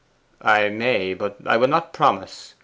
'I may; but I will not promise.